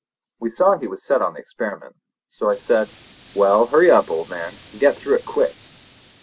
We saw that he was set on the experiment, so I said: "Well, hurry up, old man, and get through it quick!"